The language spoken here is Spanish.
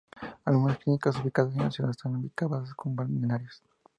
Algunas clínicas ubicadas en la ciudad están equipadas con balnearios.